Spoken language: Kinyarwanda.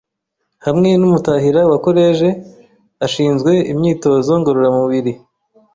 Hamwe n’umutahira wa koleje ashinzwe imyitozo ngororamubiri